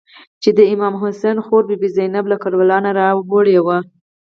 چې د امام حسین خور بي بي زینب له کربلا نه راوړې وه.